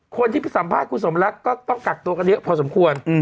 คนที่ไปสัมภาษณ์คุณสมรักก็ต้องกักตัวกันเยอะพอสมควร